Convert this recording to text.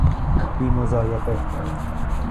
بی مضایقه